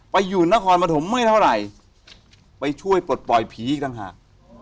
อยู่นครปฐมไม่เท่าไหร่ไปช่วยปลดปล่อยผีอีกต่างหาก